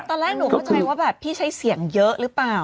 ตอนแรกหนูเข้าใจว่าแบบพี่ใช้เสียงเยอะหรือเปล่า